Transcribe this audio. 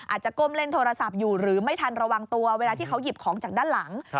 ก้มเล่นโทรศัพท์อยู่หรือไม่ทันระวังตัวเวลาที่เขาหยิบของจากด้านหลัง